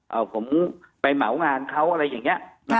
เอาผมไปเหมางานเขาอะไรอย่างนี้